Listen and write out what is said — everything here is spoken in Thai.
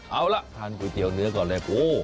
เอาล่ะทานก๋วยเตี๋ยเนื้อก่อนเลยโอ้